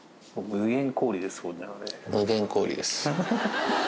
無限氷です。